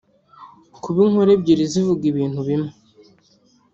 Kuba inkuru ebyiri zivuga ibintu bimwe